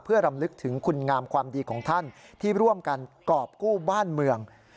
เพื่อรำลึกถึงคุณงามความดีของท่านที่ร่วมกันกรอบกู้บ้านเมือง